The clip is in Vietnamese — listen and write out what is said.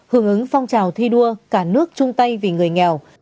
hưởng ứng phong trào thi đua cả nước chung tay vì người nghèo